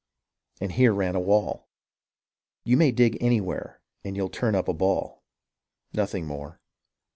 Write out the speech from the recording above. And here ran a wall — You may dig anywhere and you'll turn up a ball. Nothing more.